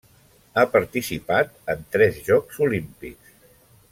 Ha participat en tres Jocs Olímpics.